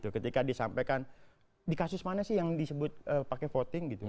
ketika disampaikan di kasus mana sih yang disebut pakai voting gitu